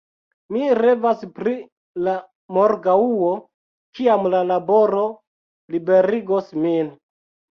Mi revas pri la morgaŭo, kiam la laboro liberigos min.